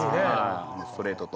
ストレートと。